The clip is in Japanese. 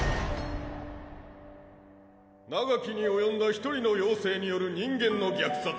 長きに及んだ一人の妖精による人間の虐殺。